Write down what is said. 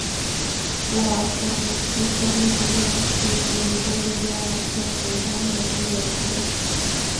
沃尔瑟姆斯托中心站是维多利亚线北端的端点车站。